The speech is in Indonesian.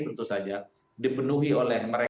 tentu saja dipenuhi oleh mereka